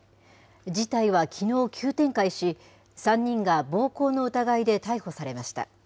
事態はきのう、急展開し、３人が暴行の疑いで逮捕されました。